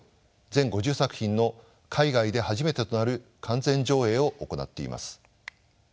全５０作品の海外で初めてとなる完全上映を行っています。